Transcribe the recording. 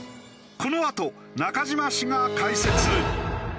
このあと中島氏が解説。